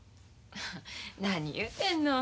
何言うてんのん。